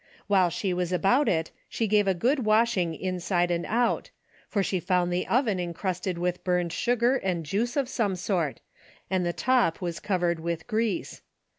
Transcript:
While she was about it, she gave it a good washing inside and out, for she found the oven encrusted with burned sugar and juice of some sort, and the top was covered with grease.